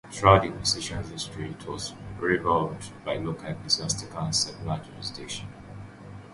Throughout the Inquisition's history, it was rivaled by local ecclesiastical and secular jurisdictions.